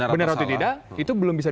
benar atau tidak itu belum bisa